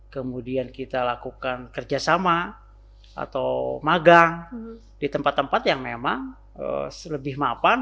kemudian kita lakukan kerjasama atau magang di tempat tempat yang memang lebih mapan